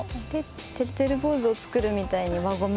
てるてる坊主を作るみたいに輪ゴムで。